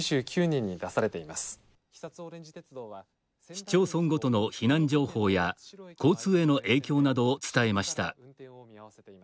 市町村ごとの避難情報や交通への影響などを伝えました。